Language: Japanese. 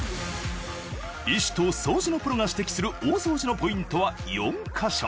医師と掃除のプロが指摘する大掃除のポイントは４箇所。